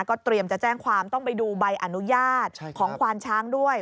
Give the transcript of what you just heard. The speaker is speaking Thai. เตรียมจะแจ้งความต้องไปดูใบอนุญาตของควานช้างด้วย